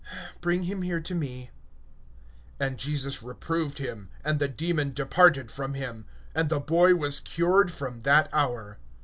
Bring him hither to me. (18)And Jesus rebuked him; and the demon went out from him, and the child was cured from that hour.